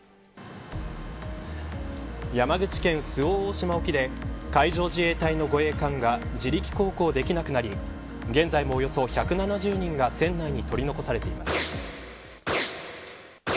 山口県、周防大島沖で海上自衛隊の護衛艦が自力航行できなくなり現在もおよそ１７０人が船内に取り残されています。